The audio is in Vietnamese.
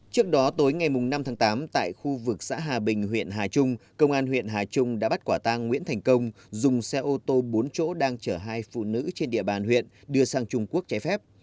trước đó tối ngày năm tháng tám tại khu vực xã hà bình huyện hà trung công an huyện hà trung đã bắt quả tang nguyễn thành công dùng xe ô tô bốn chỗ đang chở hai phụ nữ trên địa bàn huyện đưa sang trung quốc trái phép